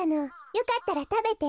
よかったらたべて。